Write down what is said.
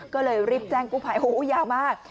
ก็เลยรีบแจ้งกู้ภัยโอ้โหยาวมาก